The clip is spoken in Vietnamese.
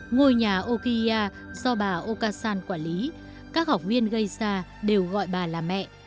ngôi nhà okiya do bà okasan quản lý các học viên gây ra đều gọi bà là mẹ